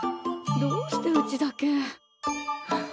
どうしてうちだけ？はあ